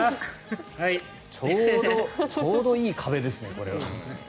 ちょうどいい壁ですねこれは。